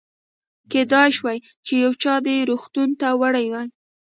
کېدای شوه چې یو چا دې روغتون ته وړی وي.